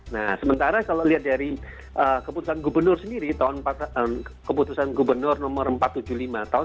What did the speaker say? nah sementara kalau lihat dari keputusan gubernur sendiri keputusan gubernur nomor empat ratus tujuh puluh lima tahun seribu sembilan ratus sembilan puluh tiga